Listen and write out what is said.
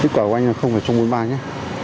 kết quả của anh là không phải bốn mươi ba nhé